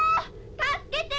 助けて！